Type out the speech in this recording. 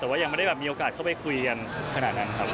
แต่ว่ายังไม่ได้แบบมีโอกาสเข้าไปคุยกันขนาดนั้นครับ